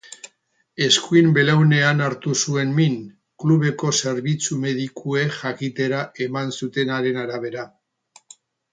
Eskuin belaunean hartu zuen min, klubeko zerbitzu medikuek jakitera eman zutenaren arabera.